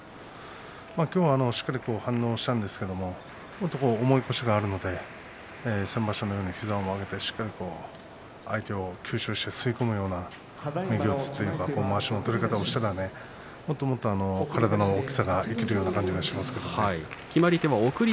今日はしっかり反応したんですけれども、もっと重い腰があるので先場所のように膝を曲げてしっかり相手を吸収して吸い込むようなまわしの取り方をしたら体の大きさが生きるような感じがします。